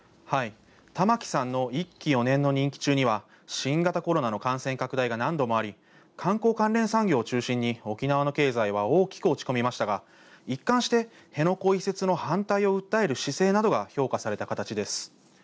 玉城さんの１期４年の任期中には新型コロナの感染拡大が何度もあり、観光関連産業を中心に沖縄の経済は大きく落ち込みましたが、一貫して辺野古移設の反対を訴える姿勢などが評価された形です。